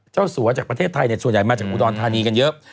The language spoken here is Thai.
เจ้าสัวจากประเทศไทยเนี่ยส่วนใหญ่มากจากอุดอนธานีกันเยอะ